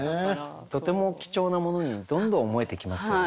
とても貴重なものにどんどん思えてきますよね。